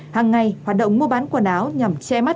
hàng ngày hoạt động mua bán quần áo nhằm che mắt